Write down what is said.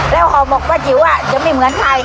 แล้วฮมกป้าจิ๋วอ่ะจะมีเหมือนใคร